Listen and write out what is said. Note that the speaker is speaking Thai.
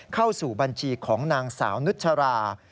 เข้าสู่บัญชีของนางสาวนุชรา